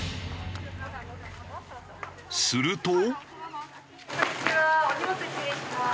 すると。